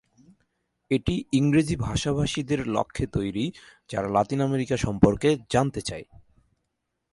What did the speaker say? এটি ইংরেজি ভাষাভাষীদের লক্ষ্যে তৈরি, যারা লাতিন আমেরিকা সম্পর্কে জানতে চায়।